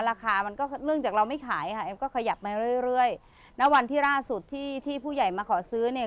ราคามันก็เนื่องจากเราไม่ขายค่ะแอมก็ขยับมาเรื่อยเรื่อยณวันที่ล่าสุดที่ที่ผู้ใหญ่มาขอซื้อเนี่ย